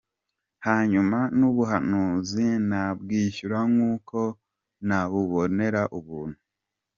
Hanyuma n'ubuhanuzi nabwishyura nk'uko nabubonera ubuntu.